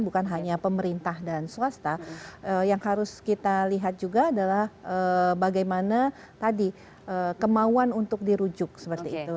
bukan hanya pemerintah dan swasta yang harus kita lihat juga adalah bagaimana tadi kemauan untuk dirujuk seperti itu